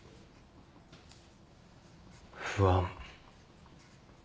不安。